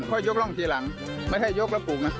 ยกร่องทีหลังไม่ใช่ยกแล้วปลูกนะ